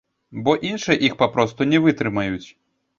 Бо іншыя іх папросту не вытрымаюць.